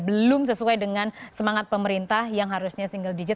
belum sesuai dengan semangat pemerintah yang harusnya single digit